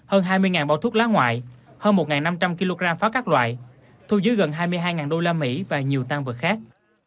hơn hai mươi bao thuốc lá ngoại hơn một năm trăm linh kg pháo các loại thu giữ gần hai mươi hai usd và nhiều tăng vật khác